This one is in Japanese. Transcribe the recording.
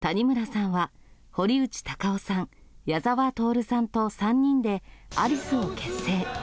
１９７１年に谷村さんは堀内孝雄さん、矢沢透さんと３人でアリスを結成。